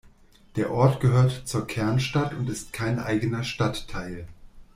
Der Ort gehört zur Kernstadt und ist kein eigener Stadtteil.